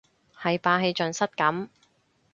係霸氣盡失咁